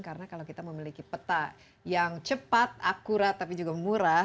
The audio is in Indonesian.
karena kalau kita memiliki peta yang cepat akurat tapi juga murah